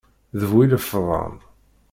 D bu ilefḍan!